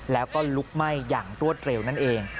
แล้วก็ลุกไหม้อย่างรวดเร็วนั่นเอง